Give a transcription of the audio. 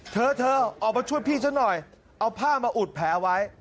เธอเธอออกมาช่วยพี่ซะหน่อยเอาผ้ามาอุดแผลไว้